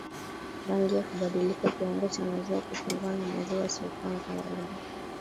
Rangi yake kubadilika kiwango cha maziwa kupungua na maziwa yasiyokuwa ya kawaida